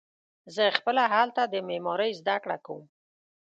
زه خپله هلته د معمارۍ زده کړه کوم.